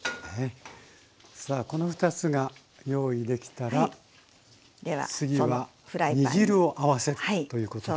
さあこの２つが用意できたら次は煮汁を合わせるということなんですね。